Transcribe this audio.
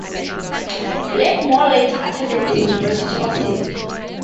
Blackmore later attended the University of Sydney.